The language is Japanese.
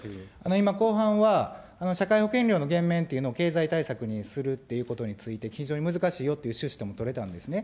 今、後半は社会保険料の減免っていうのを経済対策にするっていうことについて、非常に難しいよっていう趣旨とも取れたんですね。